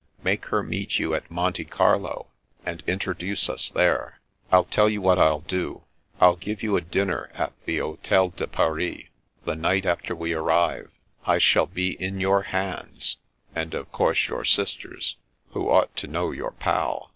" Make her meet you at Monte Carlo, and intro duce us there. I'll tell you what I'll do. I'll give a dinner at the Hotel de Paris — ^the night after we ar rive. It shall be in your hands, and of course your sister's, who ought to know your pal.